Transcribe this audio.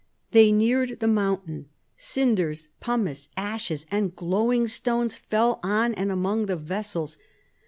They neared the mount; cinders, pumice, ashes, and glowing stones fell on and among the vessels.